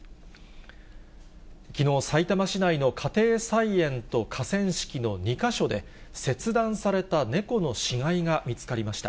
きのう、さいたま市内の家庭菜園と河川敷の２か所で、切断された猫の死骸が見つかりました。